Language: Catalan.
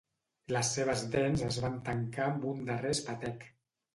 Les seves dents es van tancar amb un darrer espetec.